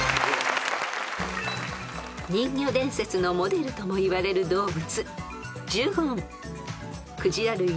［人魚伝説のモデルともいわれる動物］